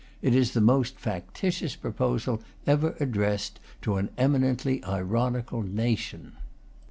It is the most factitious proposal ever addressed to an eminently ironical nation.